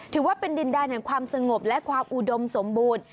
ถือว่าเป็นดินแดนแห่งความสงบและความอุดมสมบูรณ์